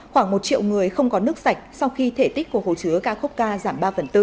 khoảng một triệu người không có nước sạch sau khi thể tích của hồ chứa kakovka giảm ba bốn